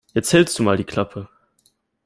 Jetzt hältst du mal die Klappe!